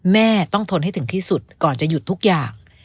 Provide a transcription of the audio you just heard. แม่ต้องทนให้ถึงที่สุดก่อนจะหยุดทุกอย่าง